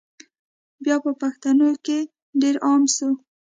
بیا په پښتنو کي ډېر عام سو